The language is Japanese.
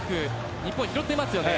日本が拾っていますね。